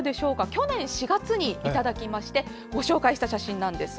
去年４月にいただきましてご紹介した写真なんです。